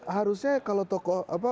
harusnya kalau tokoh apa